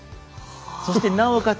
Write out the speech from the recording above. そしてなおかつ